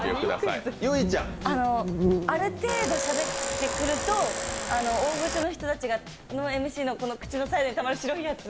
ある程度しゃべってくると大御所のＭＣのこの口のサイドにたまる白いやつ。